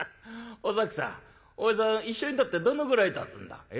お崎さんお前さん一緒になってどのぐらいたつんだ？え？